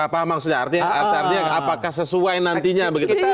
pak maksudnya apakah sesuai nantinya begitu